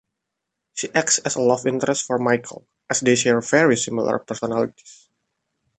She acts as a love interest for Michael, as they share very similar personalities.